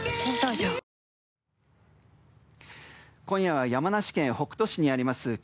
今夜は山梨県北杜市にあります